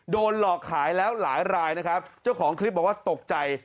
โดนหลอกขายแล้วหลายรายนะครับเจ้าของคลิปบอกว่าตกใจ